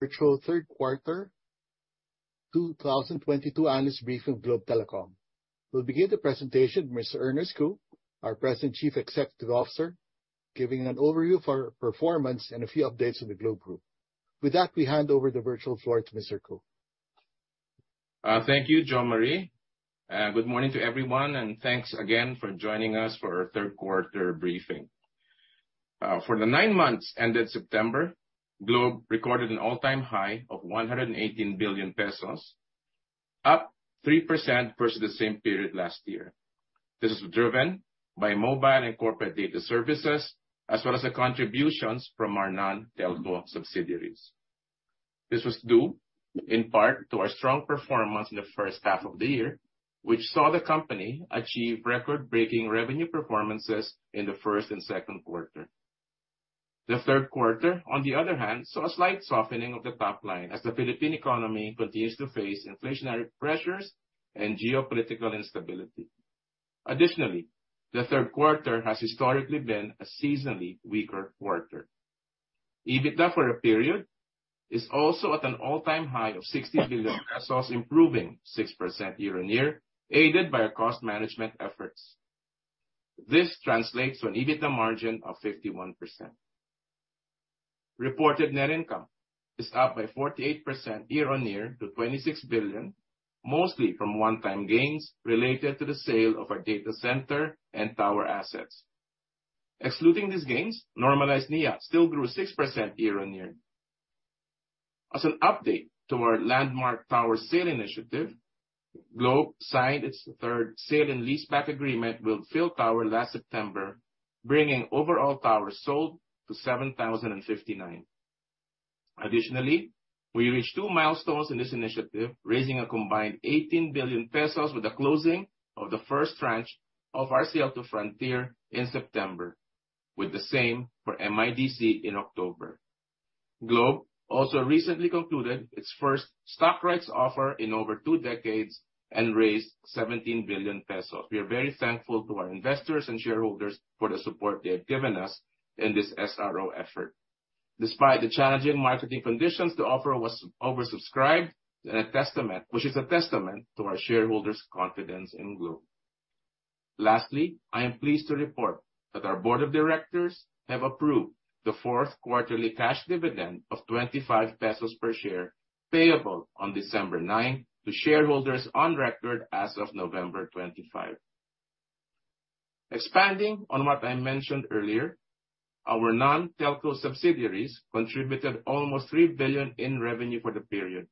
Virtual Q3 2022 analyst briefing Globe Telecom. We'll begin the presentation with Mr. Ernest Cu, our President and Chief Executive Officer, giving an overview of our performance and a few updates on the Globe Group. With that, we hand over the virtual floor to Mr. Cu. Thank you, Jose Mari. Good morning to everyone, and thanks again for joining us for our Q3 briefing. For the nine months ended September, Globe recorded an all-time high of 118 billion pesos, up 3% versus the same period last year. This is driven by mobile and corporate data services, as well as the contributions from our non-telco subsidiaries. This was due in part to our strong performance in the first half of the year, which saw the company achieve record-breaking revenue performances in the first and second quarter. The Q3, on the other hand, saw a slight softening of the top line as the Philippine economy continues to face inflationary pressures and geopolitical instability. Additionally, the third quarter has historically been a seasonally weaker quarter. EBITDA for a period is also at an all-time high of 60 billion pesos, improving 6% year-on-year, aided by our cost management efforts. This translates to an EBITDA margin of 51%. Reported net income is up by 48% year-on-year to 26 billion, mostly from one-time gains related to the sale of our data center and tower assets. Excluding these gains, normalized NI still grew 6% year-on-year. As an update to our landmark tower sale initiative, Globe signed its third sale and leaseback agreement with PhilTower last September, bringing overall towers sold to 7,059. Additionally, we reached two milestones in this initiative, raising a combined 18 billion pesos with the closing of the first tranche of our sale to Frontier in September, with the same for MIDC in October. Globe also recently concluded its first stock rights offer in over two decades and raised 17 billion pesos. We are very thankful to our investors and shareholders for the support they have given us in this SRO effort. Despite the challenging marketing conditions, the offer was oversubscribed, which is a testament to our shareholders' confidence in Globe. Lastly, I am pleased to report that our Board of Directors have approved the fourth quarterly cash dividend of 25 pesos per share, payable on December 9 to shareholders on record as of November 25. Expanding on what I mentioned earlier, our non-telco subsidiaries contributed almost 3 billion in revenue for the period.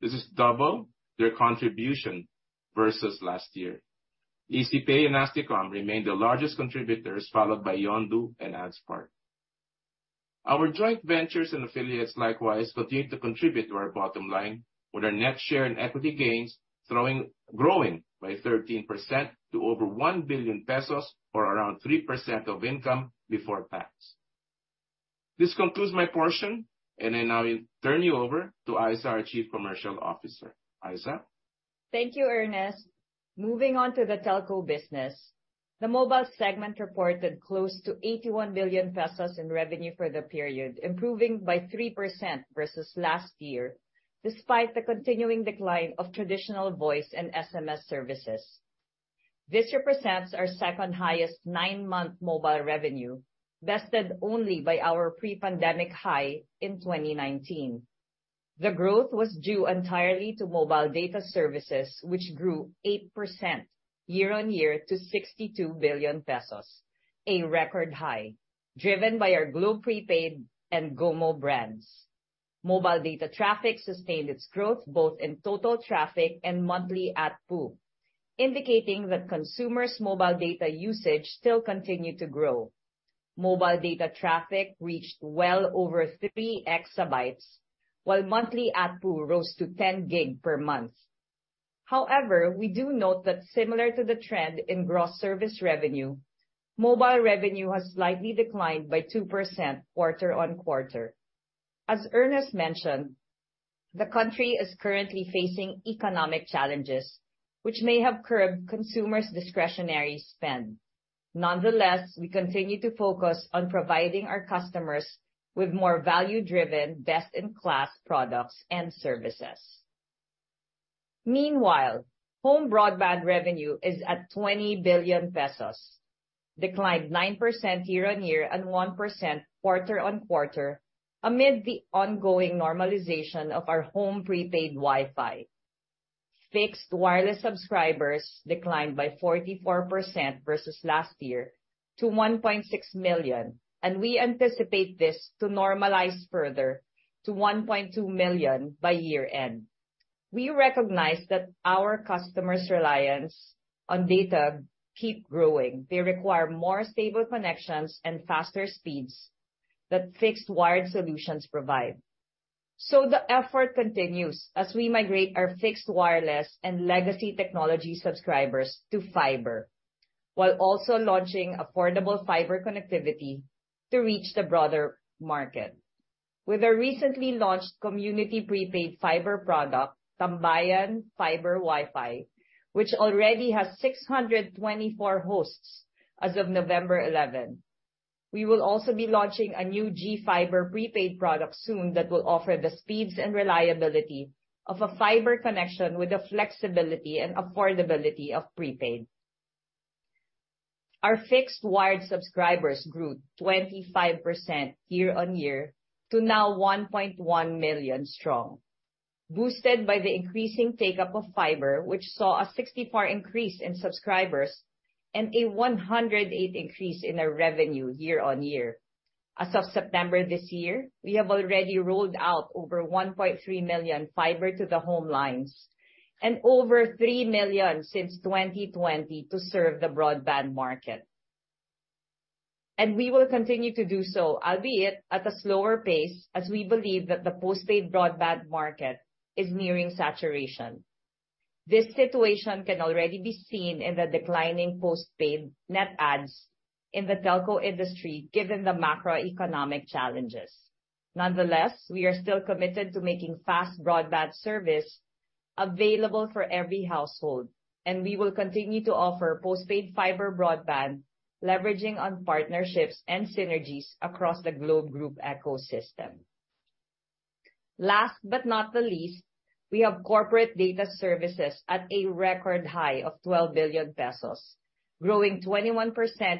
This is double their contribution versus last year. ECPay and Asticom remain the largest contributors, followed by Yondu and AdSpark. Our joint ventures and affiliates likewise continue to contribute to our bottom line with our net share and equity gains growing by 13% to over 1 billion pesos, or around 3% of income before tax. This concludes my portion, and I now turn you over to Issa, our Chief Commercial Officer. Issa? Thank you, Ernest. Moving on to the telco business, the mobile segment reported close to 81 billion pesos in revenue for the period, improving by 3% versus last year, despite the continuing decline of traditional voice and SMS services. This represents our second highest nine-month mobile revenue, bested only by our pre-pandemic high in 2019. The growth was due entirely to mobile data services, which grew 8% year-on-year to 62 billion pesos, a record high driven by our Globe Prepaid and GoMo brands. Mobile data traffic sustained its growth both in total traffic and monthly ATPU, indicating that consumers' mobile data usage still continued to grow. Mobile data traffic reached well over 3 exabytes, while monthly ATPU rose to 10 GB per month. However, we do note that similar to the trend in gross service revenue, mobile revenue has slightly declined by 2% quarter-on-quarter. As Ernest mentioned, the country is currently facing economic challenges which may have curbed consumers' discretionary spend. Nonetheless, we continue to focus on providing our customers with more value-driven, best-in-class products and services. Meanwhile, home broadband revenue is at 20 billion pesos, declined 9% year-on-year and 1% quarter-on-quarter amid the ongoing normalization of our home prepaid Wi-Fi. Fixed wireless subscribers declined by 44% versus last year to 1.6 million, and we anticipate this to normalize further to 1.2 million by year-end. We recognize that our customers' reliance on data keep growing. They require more stable connections and faster speeds that fixed wired solutions provide. The effort continues as we migrate our fixed, wireless and legacy technology subscribers to fiber, while also launching affordable fiber connectivity to reach the broader market. With our recently launched community prepaid fiber product, TMBayan Fiber WiFi, which already has 624 hosts as of November 11. We will also be launching a new GFiber prepaid product soon that will offer the speeds and reliability of a fiber connection with the flexibility and affordability of prepaid. Our fixed wired subscribers grew 25% year-on-year to now 1.1 million strong, boosted by the increasing take-up of fiber, which saw a 64% increase in subscribers and a 108% increase in our revenue year-on-year. As of September this year, we have already rolled out over 1.3 million fiber to the home lines and over 3 million since 2020 to serve the broadband market. We will continue to do so, albeit at a slower pace, as we believe that the postpaid broadband market is nearing saturation. This situation can already be seen in the declining postpaid net adds in the telco industry, given the macroeconomic challenges. Nonetheless, we are still committed to making fast broadband service available for every household, and we will continue to offer postpaid fiber broadband leveraging on partnerships and synergies across the Globe Group ecosystem. Last but not least, we have corporate data services at a record high of 12 billion pesos, growing 21%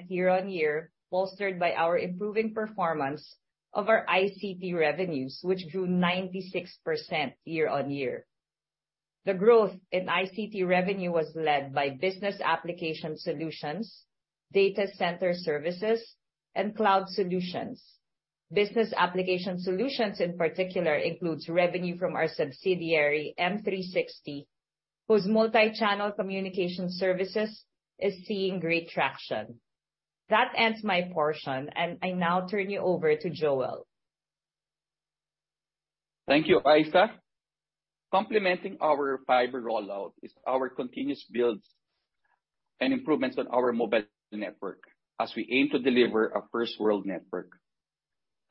year-on-year, bolstered by our improving performance of our ICT revenues, which grew 96% year-on-year. The growth in ICT revenue was led by business application solutions, data center services, and cloud solutions. Business application solutions, in particular, includes revenue from our subsidiary, M360, whose multi-channel communication services is seeing great traction. That ends my portion, and I now turn you over to Joel. Thank you, Issa Guevara-Cabreira. Complementing our fiber rollout is our continuous builds and improvements on our mobile network as we aim to deliver a first world network.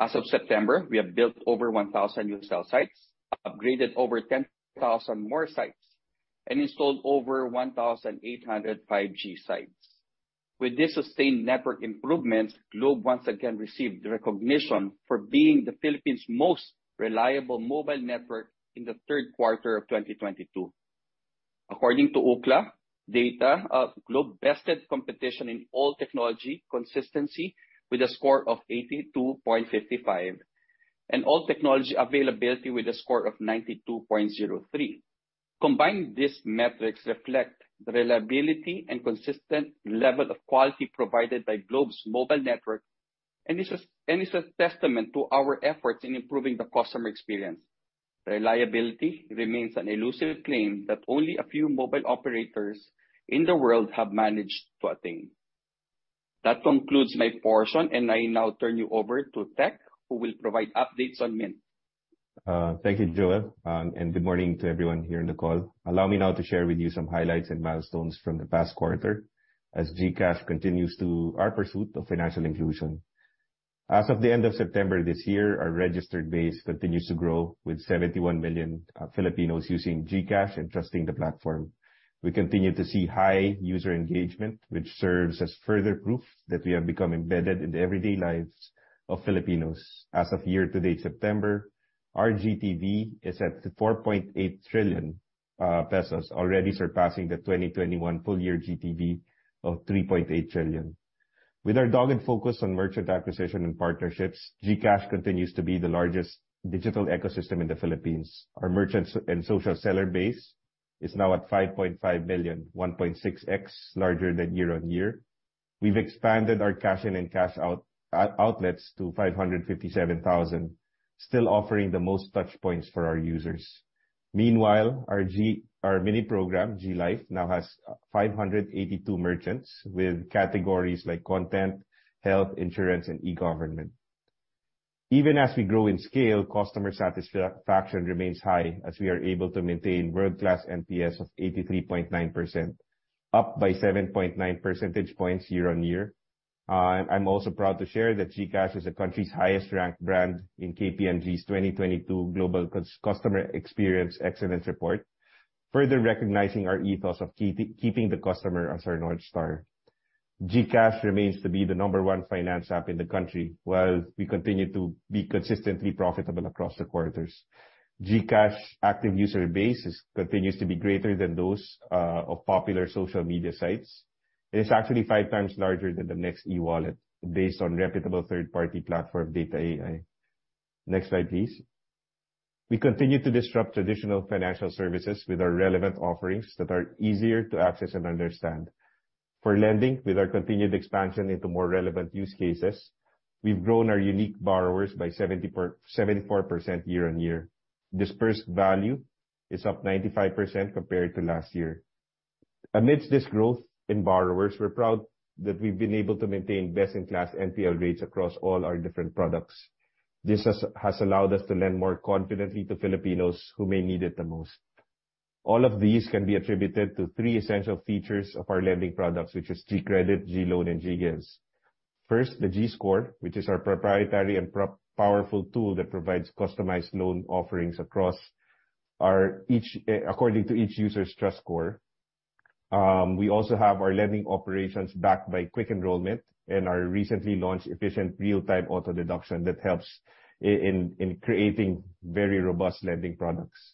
As of September, we have built over 1,000 new cell sites, upgraded over 10,000 more sites, and installed over 1,800 5G sites. With this sustained network improvements, Globe once again received the recognition for being the Philippines' most reliable mobile network in the third quarter of 2022. According to Ookla data, Globe bested competition in all technology consistency with a score of 82.55 and all technology availability with a score of 92.03. Combined, these metrics reflect the reliability and consistent level of quality provided by Globe's mobile network and is a testament to our efforts in improving the customer experience. Reliability remains an elusive claim that only a few mobile operators in the world have managed to attain. That concludes my portion, and I now turn you over to Tek, who will provide updates on Mynt. Thank you, Joel, and good morning to everyone here on the call. Allow me now to share with you some highlights and milestones from the past quarter as GCash continues to our pursuit of financial inclusion. As of the end of September this year, our registered base continues to grow with 71 million Filipinos using GCash and trusting the platform. We continue to see high user engagement, which serves as further proof that we have become embedded in the everyday lives of Filipinos. As of year to date September, our GTV is at 4.8 trillion pesos, already surpassing the 2021 full year GTV of 3.8 trillion. With our dogged focus on merchant acquisition and partnerships, GCash continues to be the largest digital ecosystem in the Philippines. Our merchants and social seller base is now at 5.5 million, 1.6x larger than year-over-year. We've expanded our cash in and cash out outlets to 557,000, still offering the most touch points for our users. Meanwhile, our mini program, GLife, now has 582 merchants with categories like content, health, insurance, and e-government. Even as we grow in scale, customer satisfaction remains high as we are able to maintain world-class NPS of 83.9%, up by 7.9 percentage points year-over-year. I'm also proud to share that GCash is the country's highest ranked brand in KPMG's 2022 Global Customer Experience Excellence Report, further recognizing our ethos of keeping the customer as our North Star. GCash remains to be the number one finance app in the country, while we continue to be consistently profitable across the quarters. GCash active user base continues to be greater than those of popular social media sites, and it's actually 5x larger than the next e-wallet based on reputable third-party platform, data.ai. Next slide, please. We continue to disrupt traditional financial services with our relevant offerings that are easier to access and understand. For lending, with our continued expansion into more relevant use cases, we've grown our unique borrowers by 74% year-on-year. Dispersed value is up 95% compared to last year. Amidst this growth in borrowers, we're proud that we've been able to maintain best in class NPL rates across all our different products. This has allowed us to lend more confidently to Filipinos who may need it the most. All of these can be attributed to three essential features of our lending products, which is GCredit, GLoan and GGives. First, the GScore, which is our proprietary and powerful tool that provides customized loan offerings across our each, according to each user's trust score. We also have our lending operations backed by quick enrollment and our recently launched efficient real-time auto deduction that helps in creating very robust lending products.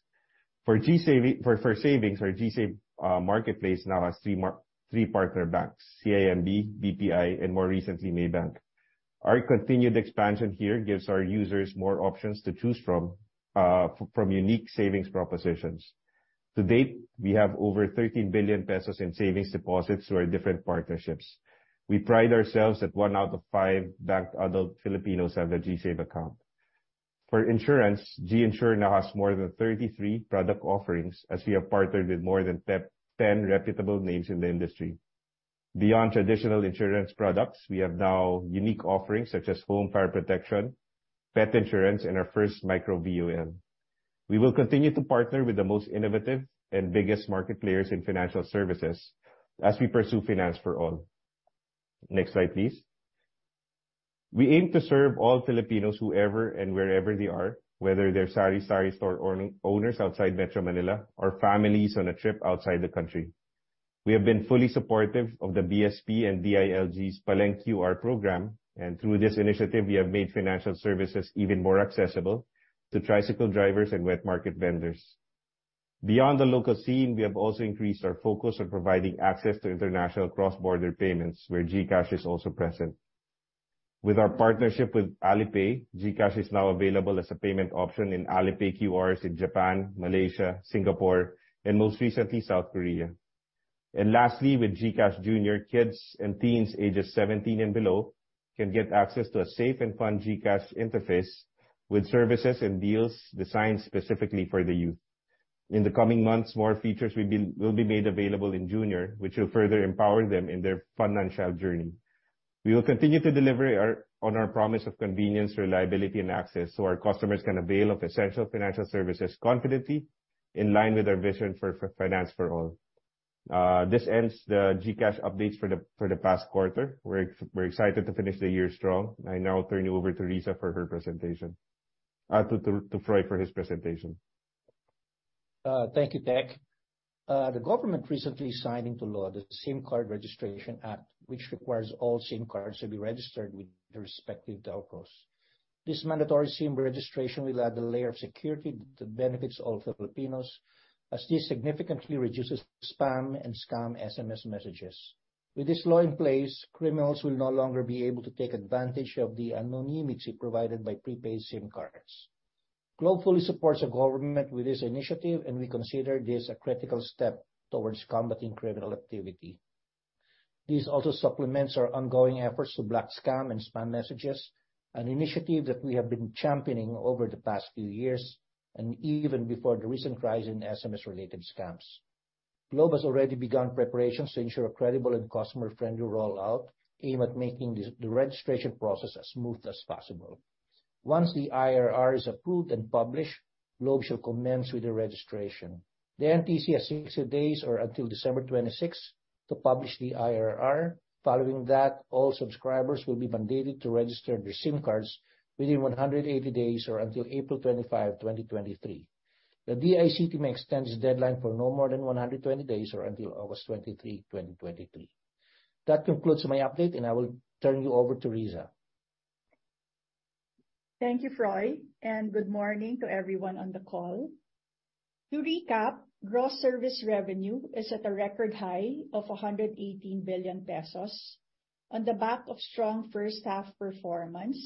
For GSave for savings, our GSave marketplace now has three partner banks, CIMB, BPI, and more recently, Maybank. Our continued expansion here gives our users more options to choose from unique savings propositions. To date, we have over 13 billion pesos in savings deposits through our different partnerships. We pride ourselves at one out of five banked adult Filipinos have a GSave account. For insurance, GInsure now has more than 33 product offerings as we have partnered with more than 10 reputable names in the industry. Beyond traditional insurance products, we have now unique offerings such as home fire protection, pet insurance, and our first micro VUL. We will continue to partner with the most innovative and biggest market players in financial services as we pursue finance for all. Next slide, please. We aim to serve all Filipinos, whoever and wherever they are, whether they're sari-sari store owners outside Metro Manila or families on a trip outside the country. We have been fully supportive of the BSP and DILG's Paleng-QR Ph program. Through this initiative, we have made financial services even more accessible to tricycle drivers and wet market vendors. Beyond the local scene, we have also increased our focus on providing access to international cross-border payments, where GCash is also present. With our partnership with Alipay, GCash is now available as a payment option in Alipay QR's in Japan, Malaysia, Singapore, and most recently, South Korea. Lastly, with GCash Jr., kids and teens ages 17 and below can get access to a safe and fun GCash interface with services and deals designed specifically for the youth. In the coming months, more features will be made available in Jr., which will further empower them in their financial journey. We will continue to deliver on our promise of convenience, reliability, and access, so our customers can avail of essential financial services confidently in line with our vision for finance for all. This ends the GCash updates for the past quarter. We're excited to finish the year strong. I now turn you over to Rizza for her presentation. To Froilan Castelo for his presentation. Thank you, Tek. The government recently signed into law the SIM Registration Act, which requires all SIM cards to be registered with their respective telcos. This mandatory SIM registration will add a layer of security that benefits all Filipinos, as this significantly reduces spam and scam SMS messages. With this law in place, criminals will no longer be able to take advantage of the anonymity provided by prepaid SIM cards. Globe fully supports the government with this initiative, and we consider this a critical step towards combating criminal activity. This also supplements our ongoing efforts to block scam and spam messages, an initiative that we have been championing over the past few years and even before the recent rise in SMS-related scams. Globe has already begun preparations to ensure a credible and customer-friendly rollout aimed at making this the registration process as smooth as possible. Once the IRR is approved and published, Globe shall commence with the registration. The NTC has 60 days or until December 26th to publish the IRR. Following that, all subscribers will be mandated to register their SIM cards within 180 days or until April 25, 2023. The DICT may extend this deadline for no more than 120 days or until August 23, 2023. That concludes my update, and I will turn you over to Rizza. Thank you, Froilan, and good morning to everyone on the call. To recap, gross service revenue is at a record high of 118 billion pesos on the back of strong first half performance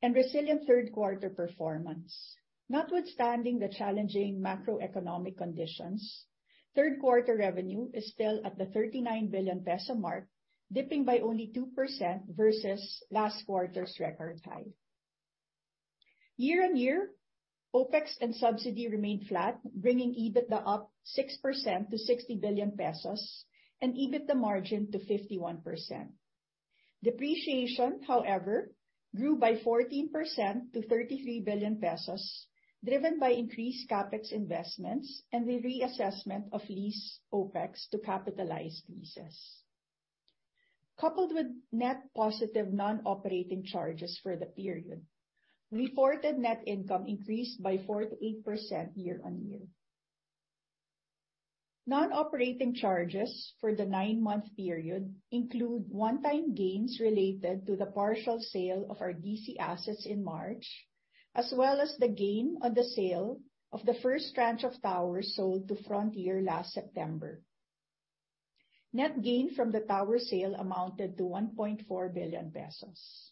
and resilient third quarter performance. Notwithstanding the challenging macroeconomic conditions, third quarter revenue is still at the 39 billion peso mark, dipping by only 2% versus last quarter's record high. Year-on-year, OpEx and subsidy remained flat, bringing EBITDA up 6% to 60 billion pesos and EBITDA margin to 51%. Depreciation, however, grew by 14% to 33 billion pesos, driven by increased CapEx investments and the reassessment of lease OpEx to capitalized leases. Coupled with net positive non-operating charges for the period, reported net income increased by 4%-8% year-on-year. Non-operating charges for the 9-month period include one-time gains related to the partial sale of our DC assets in March, as well as the gain on the sale of the first tranche of towers sold to Frontier last September. Net gain from the tower sale amounted to 1.4 billion pesos.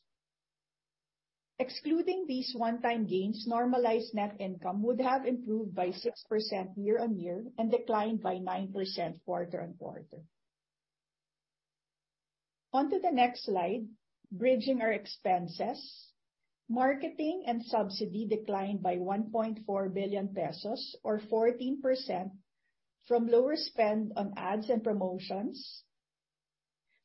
Excluding these one-time gains, normalized net income would have improved by 6% year-on-year and declined by 9% quarter-on-quarter. On to the next slide, bridging our expenses, marketing and subsidy declined by 1.4 billion pesos or 14% from lower spend on ads and promotions.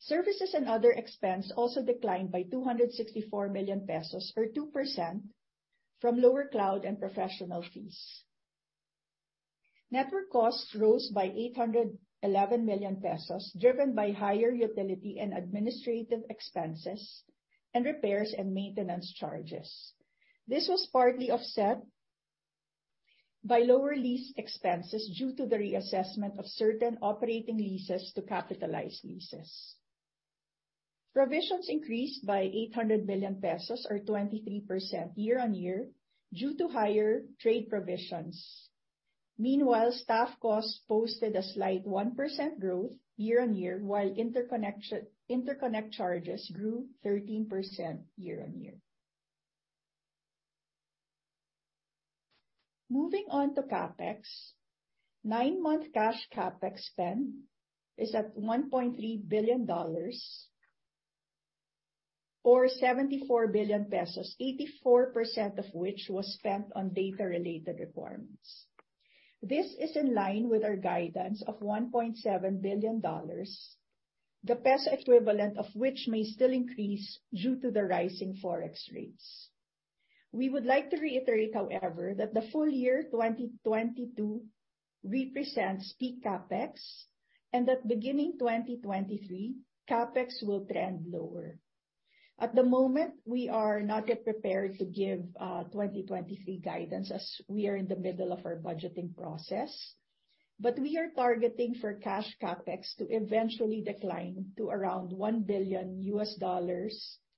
Services and other expense also declined by 264 million pesos or 2% from lower cloud and professional fees. Network costs rose by 811 million pesos driven by higher utility and administrative expenses and repairs and maintenance charges. This was partly offset by lower lease expenses due to the reassessment of certain operating leases to capitalized leases. Provisions increased by 800 million pesos or 23% year-on-year due to higher trade provisions. Meanwhile, staff costs posted a slight 1% growth year-on-year, while interconnection, interconnect charges grew 13% year-on-year. Moving on to CapEx, nine-month cash CapEx spend is at $1.3 billion or 74 billion pesos, 84% of which was spent on data related reforms. This is in line with our guidance of $1.7 billion, the peso equivalent of which may still increase due to the rising Forex rates. We would like to reiterate, however, that the full year 2022 represents peak CapEx and that beginning 2023, CapEx will trend lower. At the moment, we are not yet prepared to give, 2023 guidance as we are in the middle of our budgeting process. We are targeting for cash CapEx to eventually decline to around $1 billion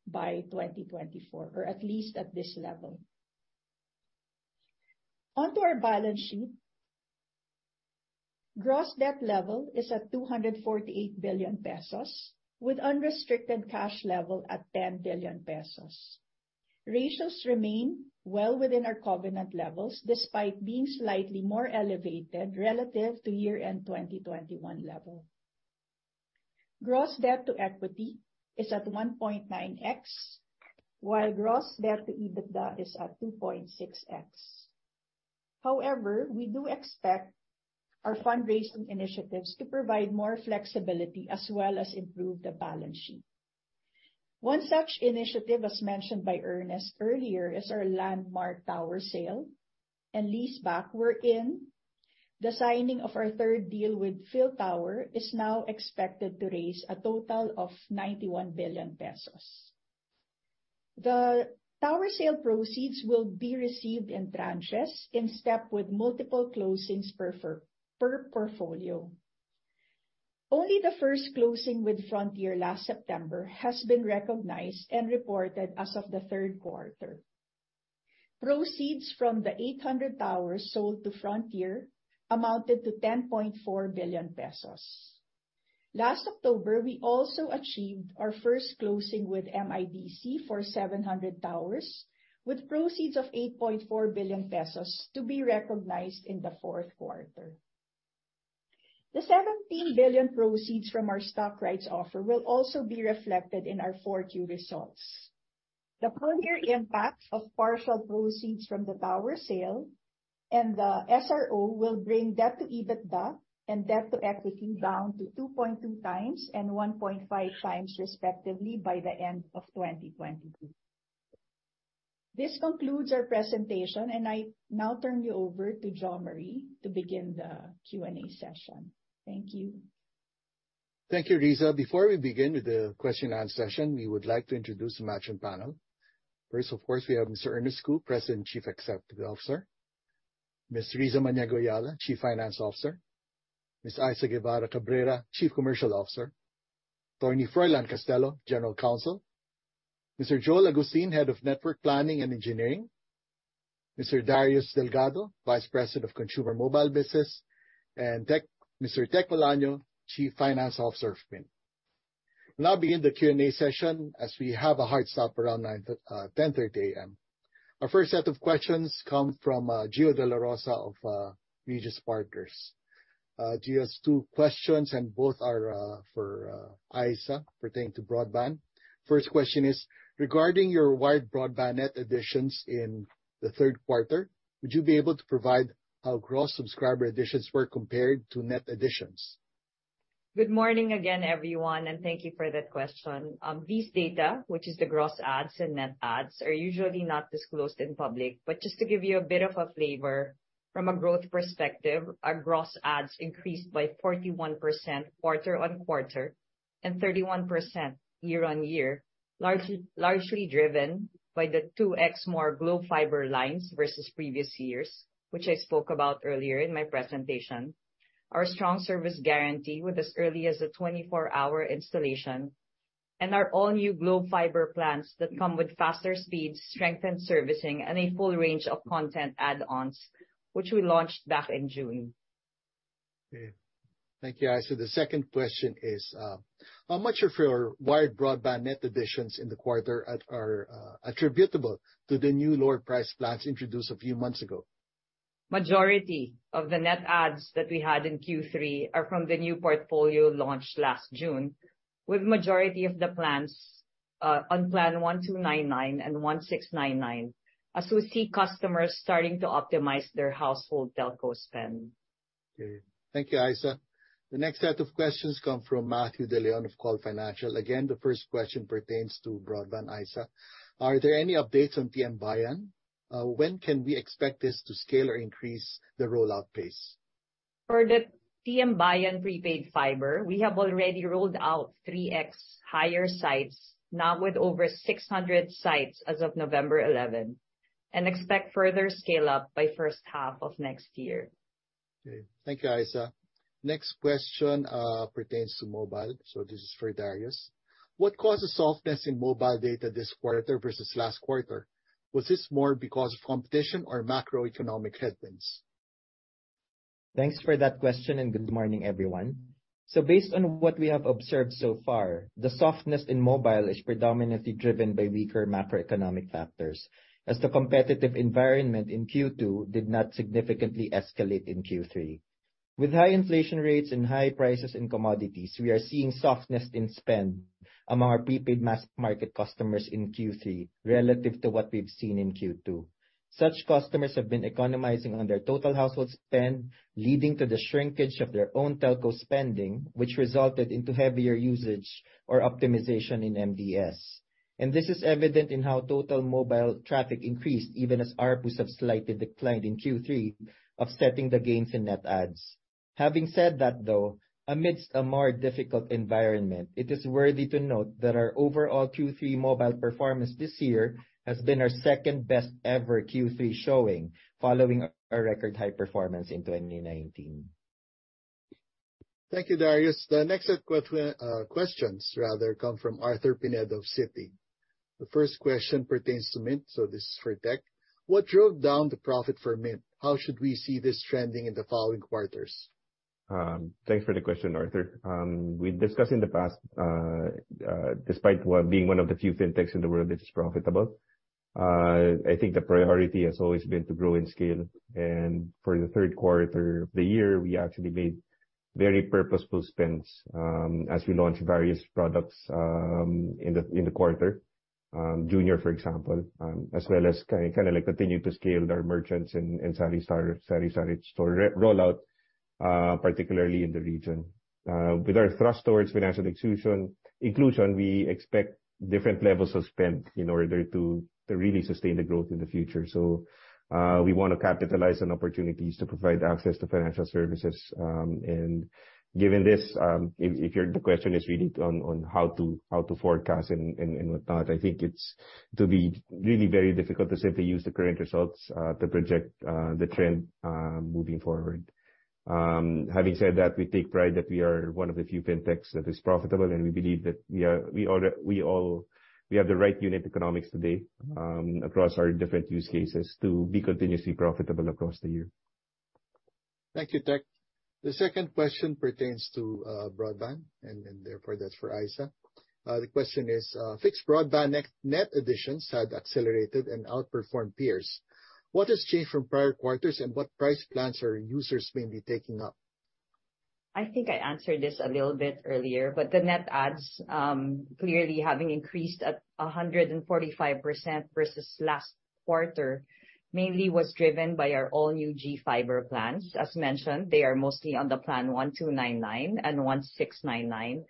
by 2024, or at least at this level. Onto our balance sheet. Gross debt level is at 248 billion pesos with unrestricted cash level at 10 billion pesos. Ratios remain well within our covenant levels, despite being slightly more elevated relative to year-end 2021 level. Gross debt to equity is at 1.9x, while gross debt to EBITDA is at 2.6x. However, we do expect our fundraising initiatives to provide more flexibility as well as improve the balance sheet. One such initiative, as mentioned by Ernest earlier, is our landmark tower sale and leaseback wherein the signing of our third deal with PhilTower is now expected to raise a total of 91 billion pesos. The tower sale proceeds will be received in tranches, in step with multiple closings per portfolio. Only the first closing with Frontier last September has been recognized and reported as of the third quarter. Proceeds from the 800 towers sold to Frontier amounted to 10.4 billion pesos. Last October, we also achieved our first closing with MIDC for 700 towers, with proceeds of 8.4 billion pesos to be recognized in the fourth quarter. The 17 billion proceeds from our stock rights offer will also be reflected in our Q4 results. The full year impact of partial proceeds from the tower sale and the SRO will bring debt to EBITDA and debt to equity down to 2.2 times and 1.5 times respectively by the end of 2022. This concludes our presentation, and I now turn you over to Jose Mari to begin the Q&A session. Thank you. Thank you, Rizza. Before we begin with the question and answer session, we would like to introduce the management panel. First, of course, we have Mr. Ernest Cu, President and Chief Executive Officer. Ms. Rizza Maniego-Eala, Chief Finance Officer. Ms. Issa Guevara-Cabrera, Chief Commercial Officer. Attorney Froilan Castelo, General Counsel. Mr. Joel Agustin, Head of Network Planning and Engineering. Mr. Darius Delgado, Vice President of Consumer Mobile Business. And Mr. Tek Olaño, Chief Finance Officer of Mynt. We'll now begin the Q&A session as we have a hard stop around 10:30 A.M. Our first set of questions come from Gio dela Rosa of Regis Partners. Gio has two questions, and both are for Issa pertaining to broadband. First question is, regarding your wireline broadband net additions in the third quarter, would you be able to provide how gross subscriber additions were compared to net additions? Good morning again, everyone, and thank you for that question. These data, which is the gross adds and net adds, are usually not disclosed in public. Just to give you a bit of a flavor from a growth perspective, our gross adds increased by 41% quarter-on-quarter and 31% year-on-year, largely driven by the 2x more Globe Fiber lines versus previous years, which I spoke about earlier in my presentation. Our strong service guarantee with as early as a 24-hour installation and our all-new Globe Fiber plans that come with faster speeds, strengthened servicing, and a full range of content add-ons, which we launched back in June. Okay. Thank you, Issa. The second question is, how much of your wired broadband net additions in the quarter are attributable to the new lower price plans introduced a few months ago? Majority of the net adds that we had in Q3 are from the new portfolio launched last June, with majority of the plans on plan 1299 and 1699, as we see customers starting to optimize their household telco spend. Okay. Thank you, Issa. The next set of questions come from Miguel de Leon of COL Financial. Again, the first question pertains to broadband, Issa. Are there any updates on TMBayan? When can we expect this to scale or increase the rollout pace? For the TMBayan Prepaid Fiber, we have already rolled out 3x higher sites, now with over 600 sites as of November 11, and expect further scale up by first half of next year. Okay. Thank you, Issa. Next question pertains to mobile. This is for Darius. What caused the softness in mobile data this quarter versus last quarter? Was this more because of competition or macroeconomic headwinds? Thanks for that question, and good morning, everyone. Based on what we have observed so far, the softness in mobile is predominantly driven by weaker macroeconomic factors, as the competitive environment in Q2 did not significantly escalate in Q3. With high inflation rates and high prices in commodities, we are seeing softness in spend among our prepaid mass market customers in Q3 relative to what we've seen in Q2. Such customers have been economizing on their total household spend, leading to the shrinkage of their own telco spending, which resulted into heavier usage or optimization in MDS. This is evident in how total mobile traffic increased even as ARPUs have slightly declined in Q3, offsetting the gains in net adds. Having said that, though, amidst a more difficult environment, it is worthy to note that our overall Q3 mobile performance this year has been our second best ever Q3 showing following a record high performance in 2019. Thank you, Darius. The next set questions rather come from Arthur Pineda of Citi. The first question pertains to Mynt, so this is for Tek. What drove down the profit for Mynt? How should we see this trending in the following quarters? Thanks for the question, Arthur. We've discussed in the past, despite one, being one of the few fintechs in the world that is profitable, I think the priority has always been to grow in scale. For the third quarter of the year, we actually made very purposeful spends, as we launched various products, in the quarter. GCash Jr., for example, as well as kinda like continuing to scale with our merchants and sari-sari store re-rollout, particularly in the region. With our thrust towards financial inclusion, we expect different levels of spend in order to really sustain the growth in the future. We wanna capitalize on opportunities to provide access to financial services, and given this, if your question is really on how to forecast and whatnot, I think it's to be really very difficult to simply use the current results to project the trend moving forward. Having said that, we take pride that we are one of the few fintechs that is profitable, and we believe that we have the right unit economics today across our different use cases to be continuously profitable across the year. Thank you, Tek. The second question pertains to broadband and therefore that's for Issa. The question is, fixed broadband net additions had accelerated and outperformed peers. What has changed from prior quarters, and what price plans are users mainly taking up? I think I answered this a little bit earlier, but the net adds clearly having increased at 145% versus last quarter mainly was driven by our all-new GFiber plans. As mentioned, they are mostly on the plan 1299 and 1699.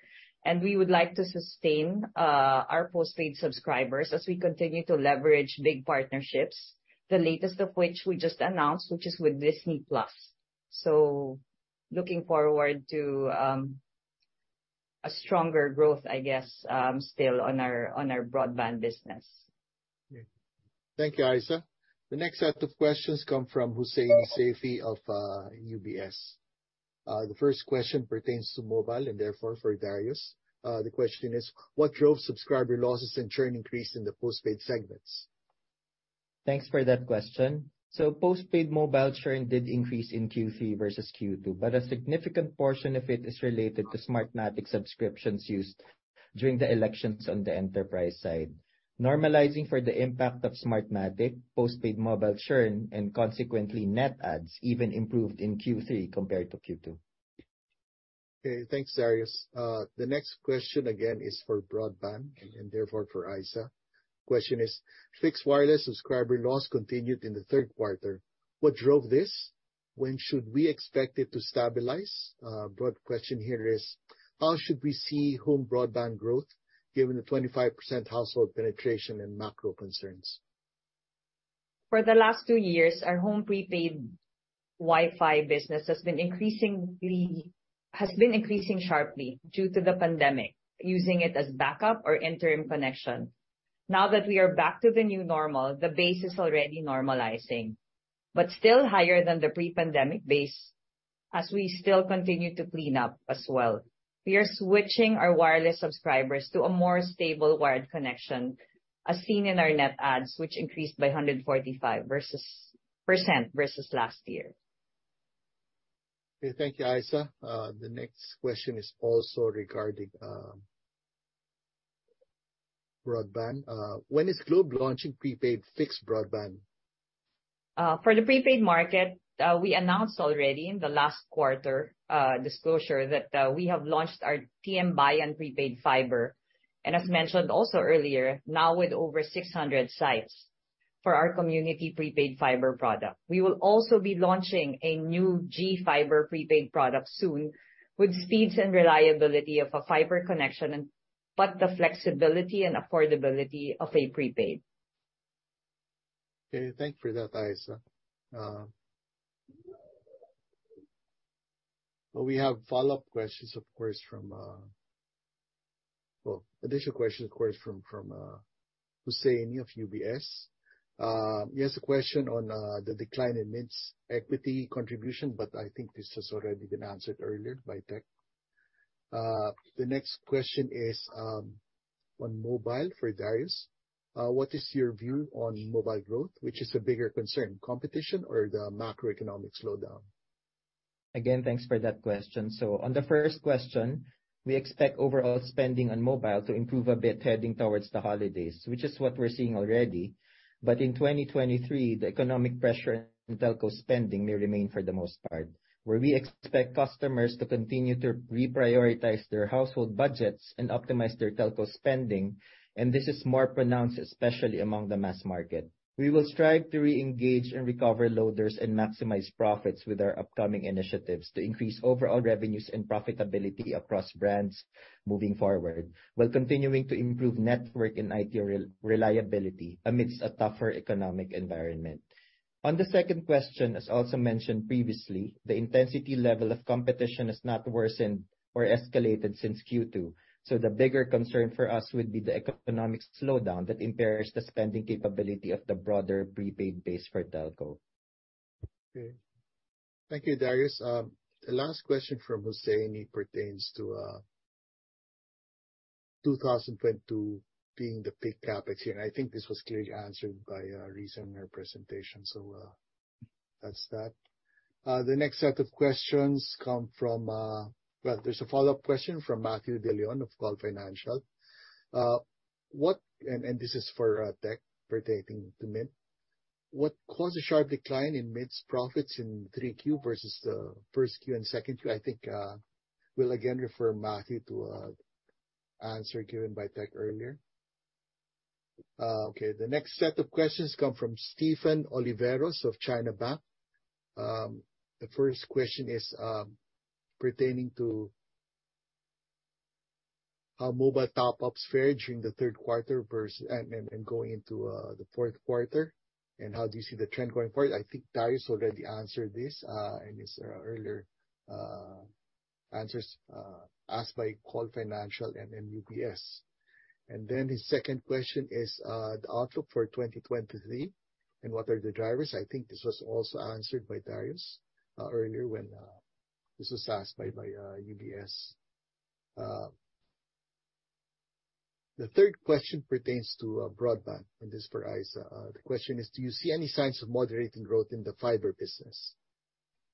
We would like to sustain our postpaid subscribers as we continue to leverage big partnerships, the latest of which we just announced, which is with Disney+. Looking forward to a stronger growth, I guess, still on our broadband business. Thank you, Issa. The next set of questions come from Hussaini Seifee of UBS. The first question pertains to mobile, and therefore for Darius. The question is, what drove subscriber losses and churn increase in the postpaid segments? Thanks for that question. Postpaid mobile churn did increase in Q3 versus Q2, but a significant portion of it is related to Smartmatic subscriptions used during the elections on the enterprise side. Normalizing for the impact of Smartmatic, postpaid mobile churn, and consequently net adds even improved in Q3 compared to Q2. Okay. Thanks, Darius. The next question again is for broadband and therefore for Issa. Question is, fixed wireless subscriber loss continued in the third quarter. What drove this? When should we expect it to stabilize? Broad question here is, how should we see home broadband growth given the 25% household penetration and macro concerns? For the last 2 years, our home prepaid Wi-Fi business has been increasing sharply due to the pandemic, using it as backup or interim connection. Now that we are back to the new normal, the base is already normalizing, but still higher than the pre-pandemic base, as we still continue to clean up as well. We are switching our wireless subscribers to a more stable wired connection, as seen in our net adds, which increased by 145% versus last year. Okay. Thank you, Issa. The next question is also regarding broadband. When is Globe launching prepaid fixed broadband? For the prepaid market, we announced already in the last quarter disclosure that we have launched our TMBayan Prepaid Fiber. As mentioned also earlier, now with over 600 sites for our community prepaid fiber product. We will also be launching a new GFiber prepaid product soon with speeds and reliability of a fiber connection, but the flexibility and affordability of a prepaid. Okay, thanks for that, Isa. We have additional questions, of course, from Hussaini Seifee of UBS. He has a question on the decline in Mynt's equity contribution, but I think this has already been answered earlier by Tek. The next question is on mobile for Darius. What is your view on mobile growth? Which is a bigger concern, competition or the macroeconomic slowdown? Again, thanks for that question. On the first question, we expect overall spending on mobile to improve a bit heading towards the holidays, which is what we're seeing already. In 2023, the economic pressure in telco spending may remain for the most part, where we expect customers to continue to reprioritize their household budgets and optimize their telco spending, and this is more pronounced especially among the mass market. We will strive to re-engage and recover loaders and maximize profits with our upcoming initiatives to increase overall revenues and profitability across brands moving forward, while continuing to improve network and IT reliability amidst a tougher economic environment. On the second question, as also mentioned previously, the intensity level of competition has not worsened or escalated since Q2, so the bigger concern for us would be the economic slowdown that impairs the spending capability of the broader prepaid base for telco. Okay. Thank you, Darius. The last question from Hussaini Saifee pertains to 2022 being the peak CapEx year, and I think this was clearly answered by Rizza in her presentation, so that's that. The next set of questions come from. Well, there's a follow-up question from Miguel de Leon of COL Financial. This is for Tek pertaining to Mynt. What caused the sharp decline in Mynt's profits in 3Q versus the 1Q and 2Q? I think we'll again refer Miguel de Leon to answer given by Tek earlier. Okay, the next set of questions come from Stephen Oliveros of China Banking Corporation. The first question is pertaining to how mobile top-ups fared during the third quarter versus... Going into the Q4, and how do you see the trend going forward? I think Darius already answered this in his earlier answers asked by COL Financial and then UBS. The second question is the outlook for 2023, and what are the drivers? I think this was also answered by Darius earlier when this was asked by UBS. The third question pertains to broadband, and this is for Isa. The question is: Do you see any signs of moderating growth in the fiber business?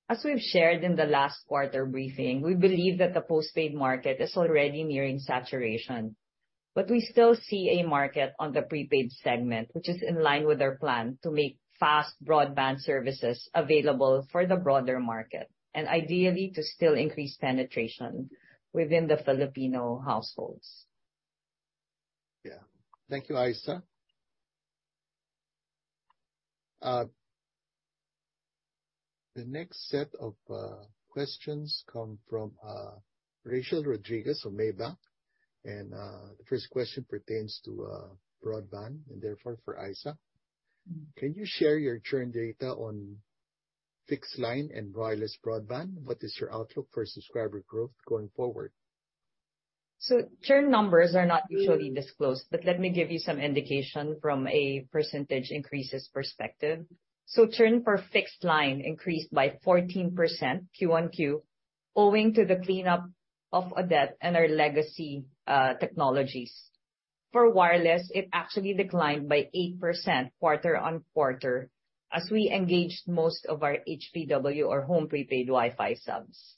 As we've shared in the last quarter briefing, we believe that the post-paid market is already nearing saturation, but we still see a market on the prepaid segment, which is in line with our plan to make fast broadband services available for the broader market and ideally to still increase penetration within the Filipino households. Yeah. Thank you, Issa. The next set of questions come from Rachel Rodriguez of Maybank, and the first question pertains to broadband and therefore for Isa. Can you share your churn data on fixed line and wireless broadband? What is your outlook for subscriber growth going forward? Churn numbers are not usually disclosed, but let me give you some indication from a percentage increases perspective. Churn for fixed line increased by 14% Q1 owing to the cleanup of a debt in our legacy technologies. For wireless, it actually declined by 8% quarter-on-quarter as we engaged most of our HPW or home prepaid Wi-Fi subs.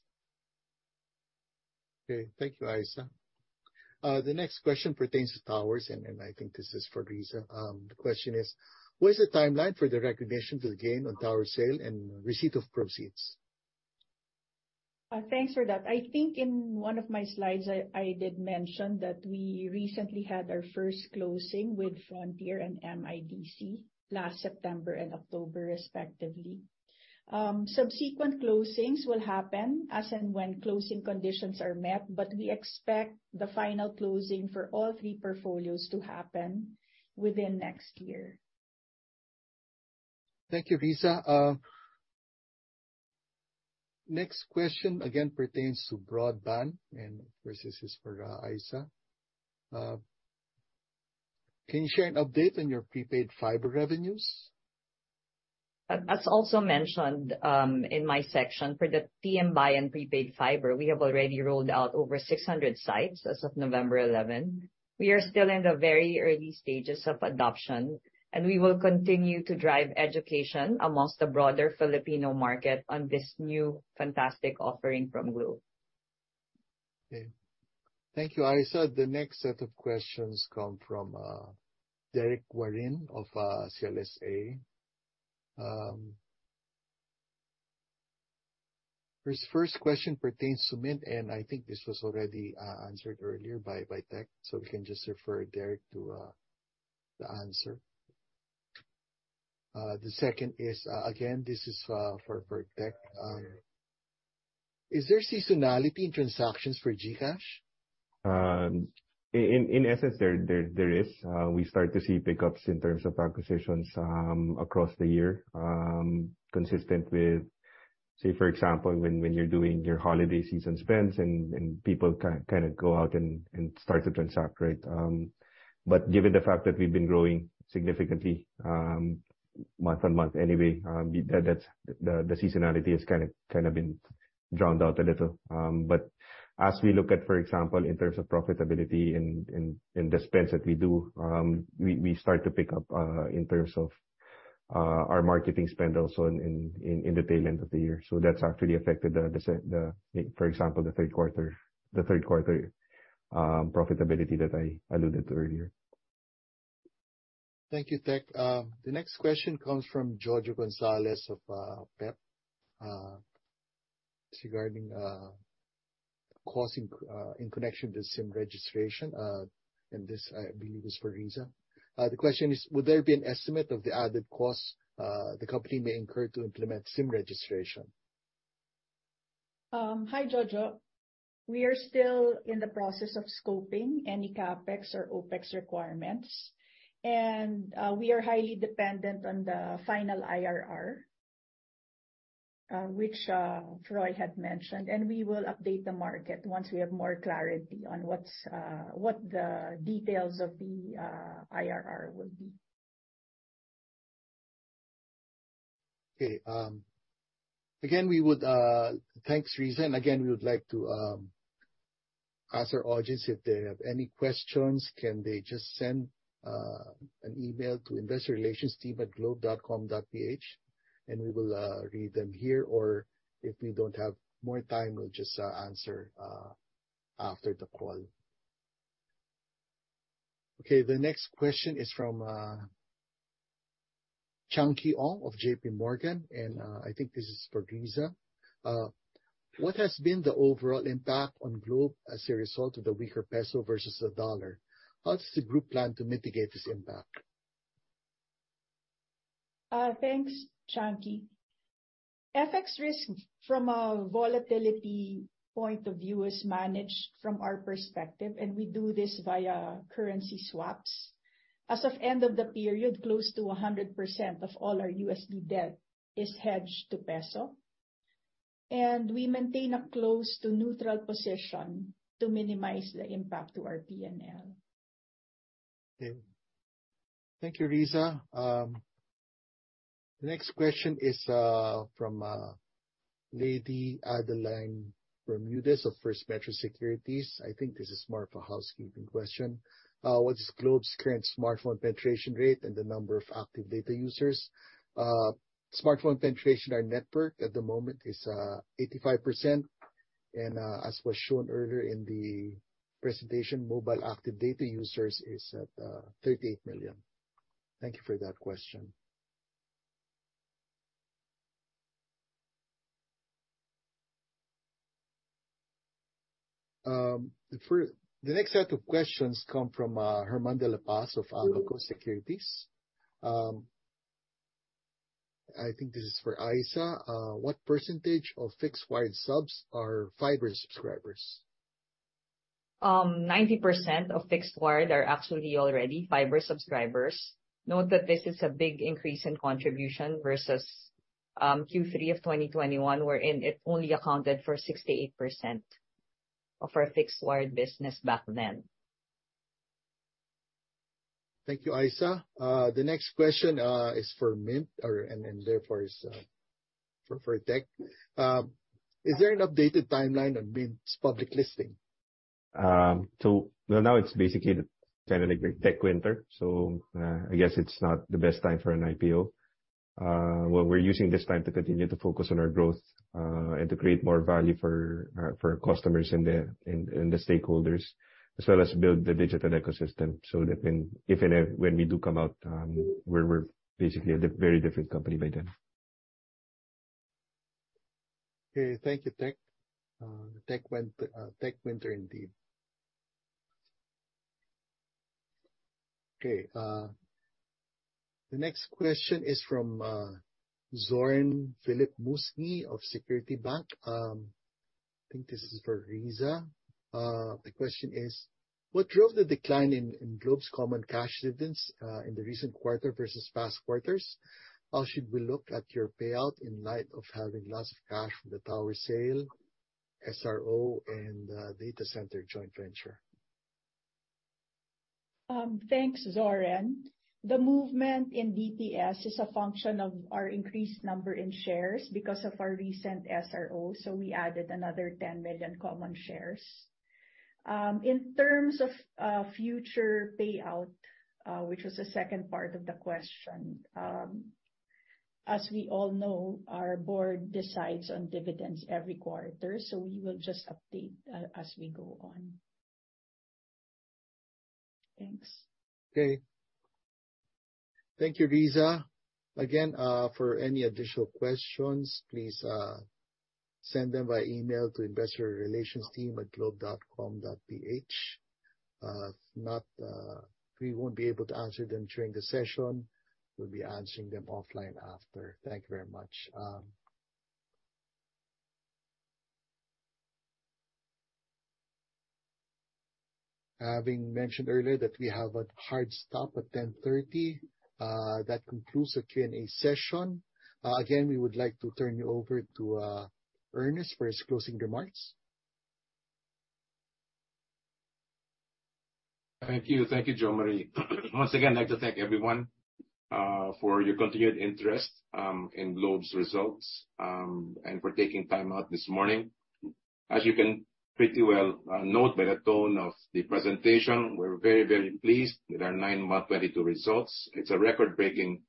Okay, thank you, Issa. The next question pertains to towers, and I think this is for Rizza. The question is: What is the timeline for the recognition of the gain on tower sale and receipt of proceeds? Thanks for that. I think in one of my slides I did mention that we recently had our first closing with Frontier and MIDC last September and October respectively. Subsequent closings will happen as and when closing conditions are met, but we expect the final closing for all three portfolios to happen within next year. Thank you, Rizza. Next question again pertains to broadband, and of course, this is for Issa. Can you share an update on your prepaid fiber revenues? As also mentioned, in my section, for the TMBayan Fiber WiFi, we have already rolled out over 600 sites as of November 11. We are still in the very early stages of adoption, and we will continue to drive education among the broader Filipino market on this new fantastic offering from Globe. Okay. Thank you, Issa. The next set of questions come from Derrick Guarin of CLSA. His first question pertains to Mynt, and I think this was already answered earlier by Tek, so we can just refer Derrick to the answer. The second is again, this is for Tek. Is there seasonality in transactions for GCash? In essence, there is. We start to see pick-ups in terms of acquisitions across the year, consistent with, say, for example, when you're doing your holiday season spends and people kinda go out and start to transact, right? But given the fact that we've been growing significantly month on month anyway, that's the seasonality has kinda been drowned out a little. But as we look at, for example, in terms of profitability in the spends that we do, we start to pick up in terms of our marketing spend also in the tail end of the year. That's actually affected the, for example, the third quarter profitability that I alluded to earlier. Thank you, Tek. The next question comes from Jojo Gonzales of PEP, regarding costing in connection to SIM registration. This, I believe, is for Rizza. The question is: Would there be an estimate of the added costs the company may incur to implement SIM registration? Hi, Jojo. We are still in the process of scoping any CapEx or OpEx requirements and we are highly dependent on the final IRR, which Roy had mentioned, and we will update the market once we have more clarity on what the details of the IRR will be. Okay. Thanks, Rizza. Again, we would like to ask our audience if they have any questions. Can they just send an email to investorrelationsteam@globe.com.ph and we will read them here. Or if we don't have more time, we'll just answer after the call. Okay. The next question is from Chunky Ong of JPMorgan, and I think this is for Rizza. What has been the overall impact on Globe as a result of the weaker peso versus the dollar? How does the group plan to mitigate this impact? Thanks, Chunky. FX risk from a volatility point of view is managed from our perspective, and we do this via currency swaps. As of end of the period, close to 100% of all our USD debt is hedged to peso, and we maintain a close to neutral position to minimize the impact to our P&L. Okay. Thank you, Rizza. The next question is from Lady Adeline Bermudez of First Metro Securities. I think this is more of a housekeeping question. What is Globe's current smartphone penetration rate and the number of active data users? Smartphone penetration on network at the moment is 85% and, as was shown earlier in the presentation, mobile active data users is at 38 million. Thank you for that question. The next set of questions come from Herman dela Paz of BDO Securities Corporation. I think this is for Issa. What percentage of fixed wire subs are fiber subscribers? 90% of fixed wire are actually already fiber subscribers. Note that this is a big increase in contribution versus Q3 of 2021, wherein it only accounted for 68% of our fixed wire business back then. Thank you, Issa. The next question is for Mynt and therefore is for Tek. Is there an updated timeline on Mynt's public listing? Now it's basically the kind of like a tech winter. I guess it's not the best time for an IPO. Well, we're using this time to continue to focus on our growth and to create more value for our customers and the stakeholders, as well as build the digital ecosystem so that when, if and when we do come out, we're basically a very different company by then. Okay. Thank you, Tek. Tech winter indeed. Okay. The next question is from Zoren Philip Musni of Security Bank. I think this is for Riza. The question is: What drove the decline in Globe's common cash dividends in the recent quarter versus past quarters? How should we look at your payout in light of having lots of cash from the tower sale, SRO and data center joint venture? Thanks, Zoren. The movement in DPS is a function of our increased number in shares because of our recent SRO, so we added another 10 million common shares. In terms of future payout, which was the second part of the question, as we all know, our board decides on dividends every quarter, so we will just update as we go on. Thanks. Okay. Thank you, Rizza. Again, for any additional questions, please, send them by email to investorrelationsteam@globe.com.ph. If not, we won't be able to answer them during the session. We'll be answering them offline after. Thank you very much. Having mentioned earlier that we have a hard stop at 10:30 A.M., that concludes the Q&A session. Again, we would like to turn you over to Ernest for his closing remarks. Thank you. Thank you, Jose Mari. Once again, I'd like to thank everyone for your continued interest in Globe's results and for taking time out this morning. As you can pretty well note by the tone of the presentation, we're very, very pleased with our 9-month 2022 results. It's a record-breaking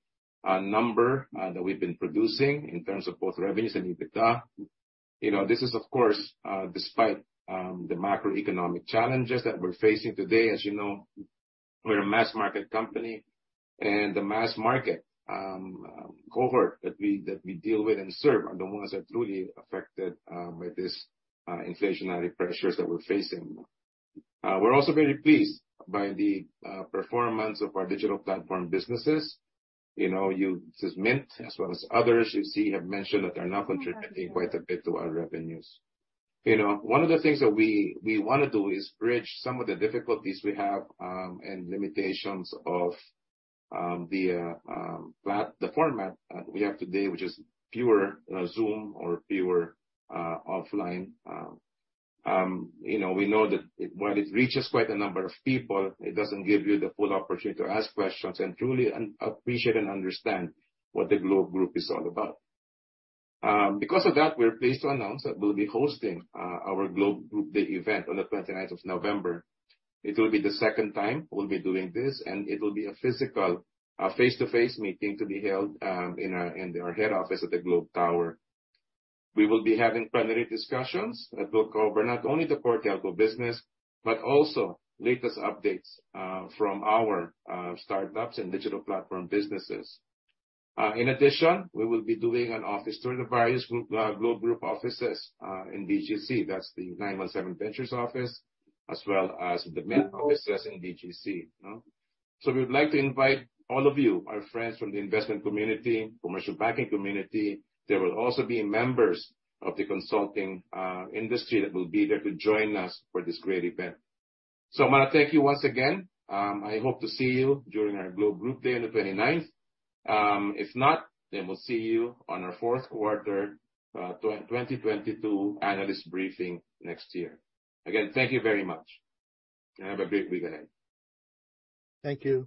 number that we've been producing in terms of both revenues and EBITDA. You know, this is, of course, despite the macroeconomic challenges that we're facing today. As you know, we're a mass market company and the mass market cohort that we deal with and serve are the ones that are truly affected by this inflationary pressures that we're facing. We're also very pleased by the performance of our digital platform businesses. You know, such as Mynt as well as others you see I've mentioned that are now contributing quite a bit to our revenues. You know, one of the things that we wanna do is bridge some of the difficulties we have and limitations of the format that we have today, which is fewer Zoom or fewer offline. You know, we know that while it reaches quite a number of people, it doesn't give you the full opportunity to ask questions and truly appreciate and understand what the Globe Group is all about. Because of that, we're pleased to announce that we'll be hosting our Globe Group Day event on the twenty-ninth of November. It will be the second time we'll be doing this, and it will be a physical, a face-to-face meeting to be held in our head office at the Globe Tower. We will be having plenary discussions that will cover not only the core telco business but also latest updates from our startups and digital platform businesses. In addition, we will be doing an office tour of the various Globe Group offices in BGC. That's the 917Ventures office, as well as the Mynt offices in BGC. We would like to invite all of you, our friends from the investment community, commercial banking community. There will also be members of the consulting industry that will be there to join us for this great event. I'm gonna thank you once again. I hope to see you during our Globe Group Day on the twenty-ninth. If not, then we'll see you on our fourth quarter 2022 analyst briefing next year. Again, thank you very much. Have a great week ahead. Thank you.